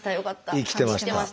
生きてました。